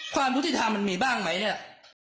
ความยุติธรรมมันมีบ้างไหมเนี่ย